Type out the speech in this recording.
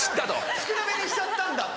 少なめにしちゃったんだと。